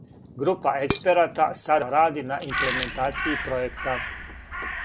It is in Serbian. Група експерата сада ради на имплементацији пројекта.